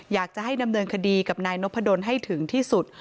อยากจะให้ดำเนินคดีกับนายนพดลให้ถึงที่สุด